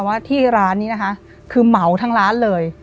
ว่าที่ร้านนี้นะคะคือเหมาทั้งร้านเลย